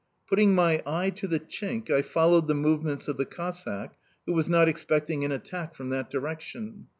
Putting my eye to the chink, I followed the movements of the Cossack, who was not expecting an attack from that direction.